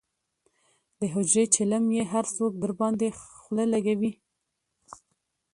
دحجرې چیلم یې هر څوک درباندې خله لکوي.